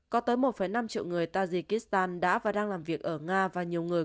có tới một năm triệu người tajikistan đã và đang làm việc ở nga và nhiều người